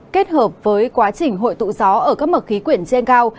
kết hợp với quá trình hội tụ gió ở các mực khí quyển trên cao